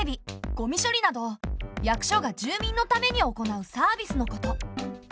ゴミ処理など役所が住民のために行うサービスのこと。